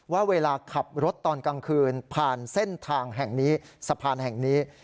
ว่าเวลาขับรถตอนกลางคืนผ่านเส้นทางแห่งนี้สะพานแห่งนี้